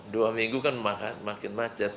dua minggu kan makin macet